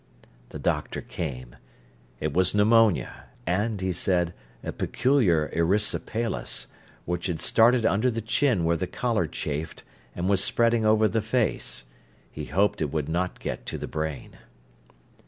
The doctor came. It was pneumonia, and, he said, a peculiar erysipelas, which had started under the chin where the collar chafed, and was spreading over the face. He hoped it would not get to the brain.